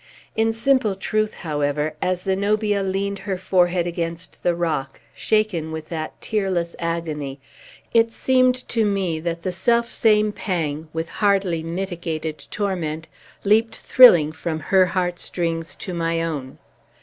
In simple truth, however, as Zenobia leaned her forehead against the rock, shaken with that tearless agony, it seemed to me that the self same pang, with hardly mitigated torment, leaped thrilling from her heartstrings to my own.